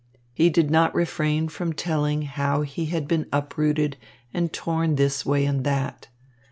He did not refrain from telling how he had been uprooted and torn this way and that.